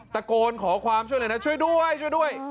ตะโกนขอความช่วยเหลือช่วยด้วยช่วยด้วย